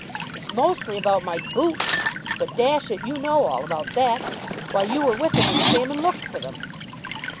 "It's mostly about my boots. But, dash it, you know all about that. Why, you were with him when he came and looked for them."